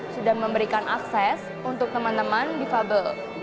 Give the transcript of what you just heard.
sudah memberikan akses untuk teman teman di fabel